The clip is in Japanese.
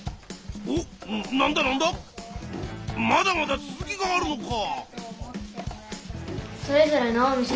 まだまだ続きがあるのか。